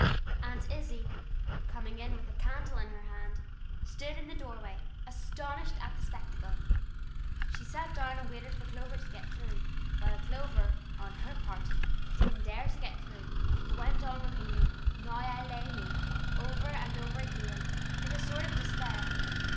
Aunt Izzie, coming in with a candle in her hand, stood in the doorway, astonished at the spectacle. She sat down and waited for Clover to get through, while Clover, on her part, didn't dare to get through, but went on repeating "Now I lay me" over and over again, in a sort of despair.